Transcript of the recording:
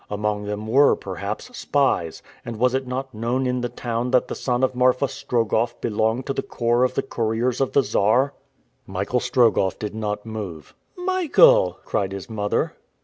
Among them were, perhaps, spies, and was it not known in the town that the son of Marfa Strogoff belonged to the corps of the couriers of the Czar? Michael Strogoff did not move. "Michael!" cried his mother.